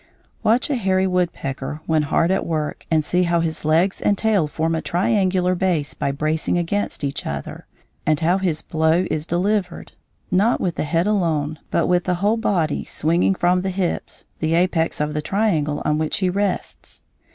Watch a hairy woodpecker when hard at work and see how his legs and tail form a triangular base by bracing against each other, and how his blow is delivered, not with the head alone, but with the whole body, swinging from the hips, the apex of the triangle on which he rests.